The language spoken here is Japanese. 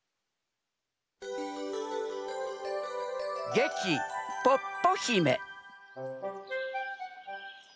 「げき『ポッポひめ』」。